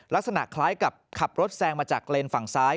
ลักษณะคล้ายกับขับรถแซงมาจากเลนส์ฝั่งซ้าย